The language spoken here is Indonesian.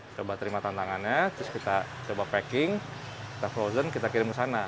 coba terima tantangannya terus kita coba packing kita frozen kita kirim ke sana